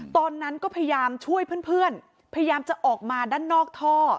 ตอนนั้นก็พยายามช่วยเพื่อนพยายามจะออกมาด้านนอกท่อ